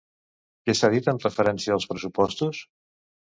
Què s'ha dit en referència als pressupostos?